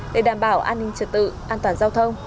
để đảm bảo an ninh trật tự an toàn giao thông